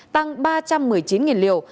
tăng ba trăm một mươi chín liều